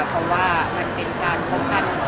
เพราะว่ามันเป็นการป้องกัน